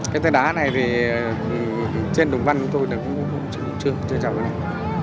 cái tên đá này thì trên đồng văn của tôi là cũng chưa trồng được